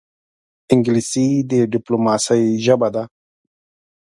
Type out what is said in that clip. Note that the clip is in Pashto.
انګلیسي د ډیپلوماسې ژبه ده